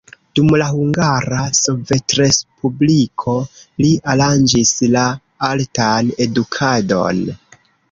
Dum la Hungara Sovetrespubliko li aranĝis la altan edukadon.